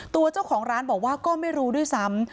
ตัวเจ้าของร้านบอกว่าก็ไม่รู้ด้วยซ้ำ